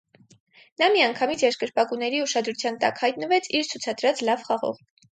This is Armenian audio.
Նա միանգամից երկրպագուների ուշադրության տակ հայտնվեց իր ցուցադրած լավ խաղով։